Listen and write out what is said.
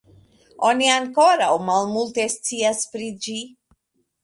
Oni ankoraŭ malmulte scias pri ĝi.